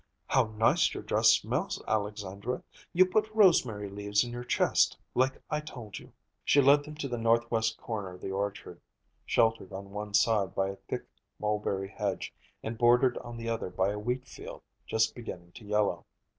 "How nice your dress smells, Alexandra; you put rosemary leaves in your chest, like I told you." She led them to the northwest corner of the orchard, sheltered on one side by a thick mulberry hedge and bordered on the other by a wheatfield, just beginning to yellow.